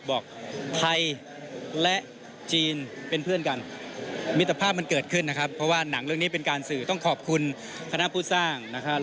บอกไทยและจีนเป็นเพื่อนกัน